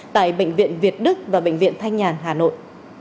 tại bệnh viện việt đức và bệnh viện thanh nhàn hà nội